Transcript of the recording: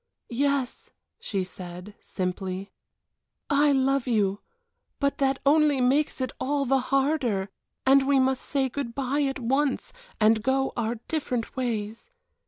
"Yes," she said, simply, "I love you, but that only makes it all the harder and we must say good bye at once, and go our different ways.